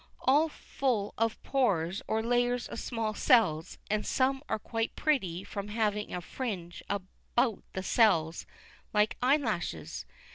All are full of pores or layers of small cells, and some are quite pretty from having a fringe about the cells like eyelashes.